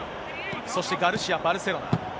そしてガルシア、バルセロナ。